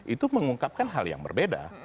itu mengungkapkan hal yang berbeda